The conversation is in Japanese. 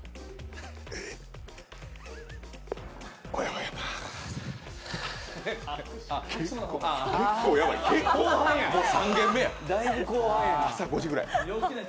おやおや、まあ結構やばい、もう３軒目や朝５時ぐらい。